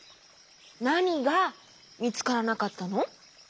なにがみつからなかったの？